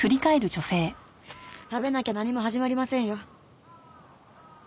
食べなきゃ何も始まりませんよ。